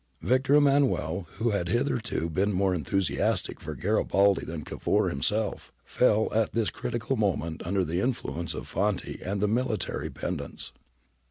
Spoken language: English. Victor Emmanuel, who had hitherto been more enthusiastic for Garibaldi than Cavour himself, fell at this critical moment under the influence of Fanti and the military pedants.